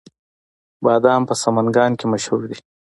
بادام په سمنګان کې مشهور دي